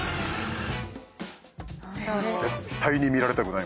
何だろう？